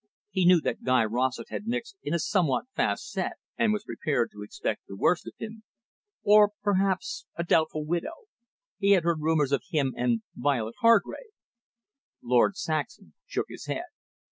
He knew that Guy Rossett had mixed in a somewhat fast set, and was prepared to expect the worst of him. "Or, perhaps, a doubtful widow?" He had heard rumours of him and Violet Hargrave. Lord Saxham shook his head.